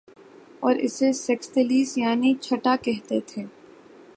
اور اسے سیکستیلیس یعنی چھٹا کہتے تھے